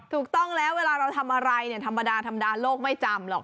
ถูกต้องแล้วเวลาเราทำอะไรเนี่ยธรรมดาธรรมดาโลกไม่จำหรอก